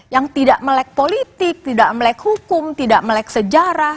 yang tidak melek politik tidak melek hukum tidak melek sejarah